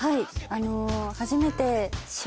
あの。